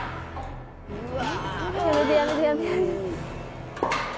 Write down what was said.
うわ。